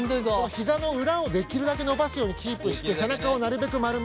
ひざの裏をできるだけ伸ばすようにキープして背中をなるべく丸めますので。